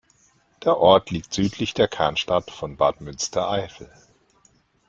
Der Ort liegt südlich der Kernstadt von Bad Münstereifel.